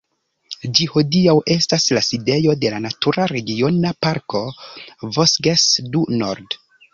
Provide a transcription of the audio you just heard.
Ĝi hodiaŭ estas la sidejo de la natura regiona parko "Vosges du Nord".